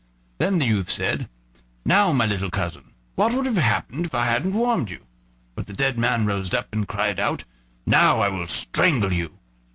Then the youth said: "Now, my little cousin, what would have happened if I hadn't warmed you?" But the dead man rose up and cried out: "Now I will strangle you."